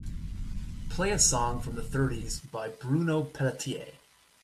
Play a song from the thirties by Bruno Pelletier